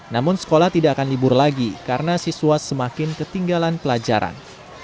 namun sekolah tidak akan libur lagi karena siswa semakin ketinggalan pelajaran